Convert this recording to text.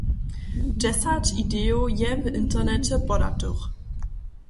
Dźesać idejow je w interneće podatych.